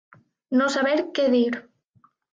No saber què dir.